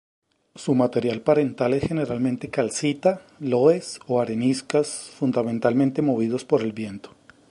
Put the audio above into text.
Su material parental es generalmente calcita, loess, o areniscas, fundamentalmente movidos por el viento.